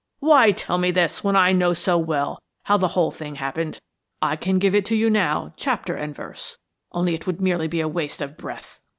"Why tell me this when I know so well how the whole thing happened? I can give it you now chapter and verse, only it would merely be a waste of breath.